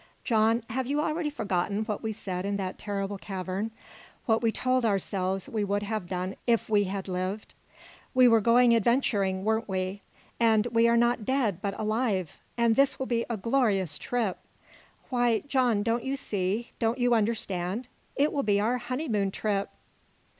"John, have you already forgotten what we said in that terrible cavern what we told ourselves we would have done if we had lived? We were going adventuring, weren't we? And we are not dead but alive. And this will be a glorious trip! Why, John, don't you see, don't you understand? It will be our honeymoon trip!"